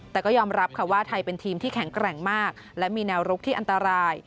แต่ก็ยอมรับค่ะว่าไทยเป็นทีมที่แข็งแกร่งมากและมีแนวรุกที่อันตราย